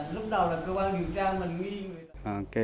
lúc đầu là cơ quan điều tra mà nguyên